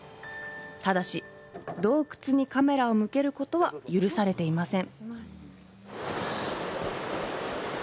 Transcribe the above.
ただし、洞窟にカメラを向けることは許されていません。